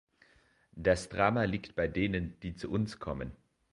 Das Drama liegt bei denen, die zu uns kommen.